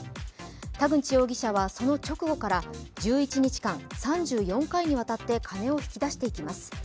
田口容疑者はその直後から１１日間、３４回にわたって金を引き出していきます。